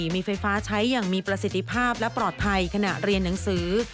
มีไฟฟ้าใช้อย่างมีประสิทธิภาพและปลอดภัยขณะเรียนหนังสือ